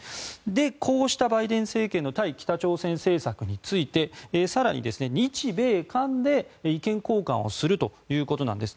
こうしたバイデン政権の対北朝鮮政策について更に日米韓で意見交換をするということです。